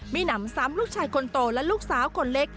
หนำซ้ำลูกชายคนโตและลูกสาวคนเล็ก